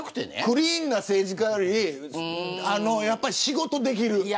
クリーンな政治家よりやっぱり仕事ができる。